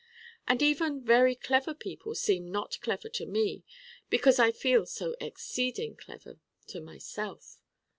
And even very Clever people seem not Clever to me because I feel so exceeding Clever to myself.